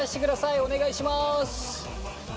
お願いします。